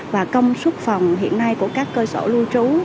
và công suất phòng hiện nay của các cơ sở lưu trú